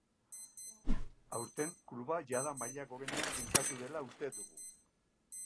Aurten, kluba jada maila gorenean finkatu dela uste dugu.